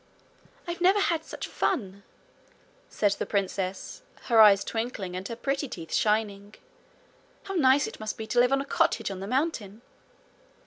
'I never had such fun!' said the princess, her eyes twinkling and her pretty teeth shining. 'How nice it must be to live in a cottage on the mountain!'